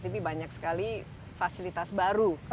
tapi banyak sekali fasilitas baru